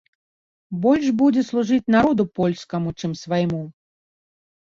Больш будзе служыць народу польскаму, чым свайму!